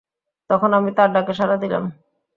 তখন আমি তার ডাকে সাড়া দিলাম।